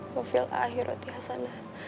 wafil a'ahiru ati hasanah